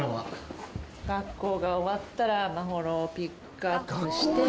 学校が終わったら眞秀をピックアップして。